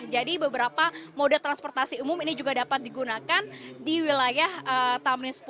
jadi beberapa mode transportasi umum ini juga dapat digunakan di wilayah tamrin sepuluh